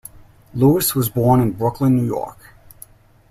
Lewis was born in Brooklyn, New York.